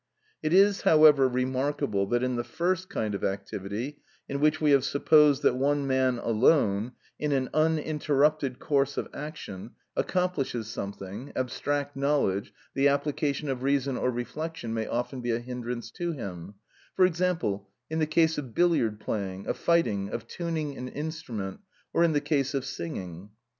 It is, however, remarkable that in the first kind of activity, in which we have supposed that one man alone, in an uninterrupted course of action, accomplishes something, abstract knowledge, the application of reason or reflection, may often be a hindrance to him; for example, in the case of billiard playing, of fighting, of tuning an instrument, or in the case of singing.